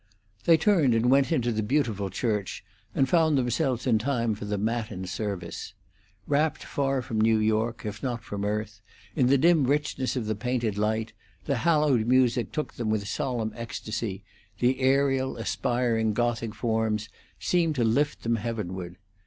They turned and went into the beautiful church, and found themselves in time for the matin service. Rapt far from New York, if not from earth, in the dim richness of the painted light, the hallowed music took them with solemn ecstasy; the aerial, aspiring Gothic forms seemed to lift them heavenward.